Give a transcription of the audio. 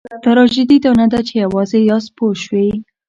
تراژیدي دا نه ده چې یوازې یاست پوه شوې!.